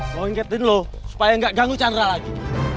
mau ngeketin lo supaya gak ganggu chandra lagi